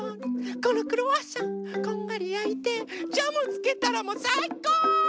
このクロワッサンこんがりやいてジャムつけたらもうさいこ！